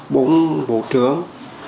bốn bộ trưởng